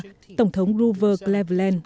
cho tổng thống grover cleveland